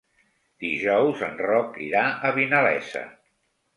Dijous en Roc irà a Vinalesa.